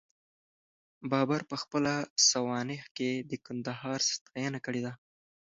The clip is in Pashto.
بابر په خپله سوانح کي د کندهار ستاینه کړې ده.